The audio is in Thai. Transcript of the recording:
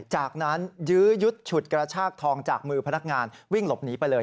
จากนั้นยื้อยุดฉุดกระชากทองจากมือพนักงานวิ่งหลบหนีไปเลย